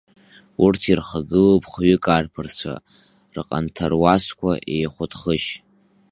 Урҭ ирхагылоуп хҩык арԥарцәа, рҟанҭаруазқәа еихәыдхышь.